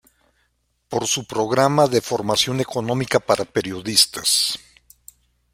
Por su "Programa de Formación Económica para Periodistas.